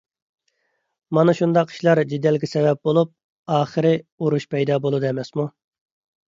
مانا شۇنداق ئىشلار جېدەلگە سەۋەب بولۇپ، ئاخىر ئۇرۇش پەيدا بولىدۇ ئەمەسمۇ؟